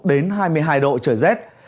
nền nhiệt độ thấp nhất trên khu vực